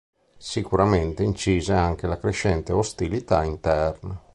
Sicuramente incise anche la crescente ostilità interna.